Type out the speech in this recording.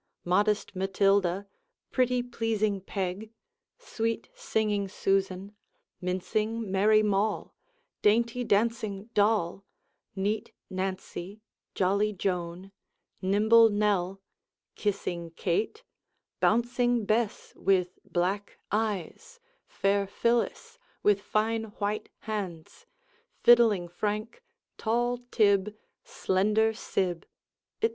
modest Matilda, pretty pleasing Peg, sweet singing Susan, mincing merry Moll, dainty dancing Doll, neat Nancy, jolly Joan, nimble Nell, kissing Kate, bouncing Bess, with black eyes, fair Phyllis, with fine white hands, fiddling Frank, tall Tib, slender Sib, &c.